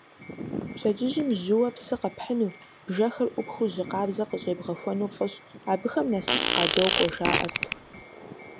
Пщэдджыжьым жьыуэ псы къэпхьыну, бжэхэр Ӏупхыу жьы къабзэ къыщӀебгъэхуэну фӀыщ: абыхэм насып къадокӀуэ, жаӀэрт.